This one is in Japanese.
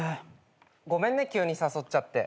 ごめんね急に誘っちゃって。